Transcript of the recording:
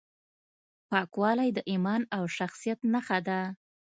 پاکوالی د ایمان او شخصیت نښه ده.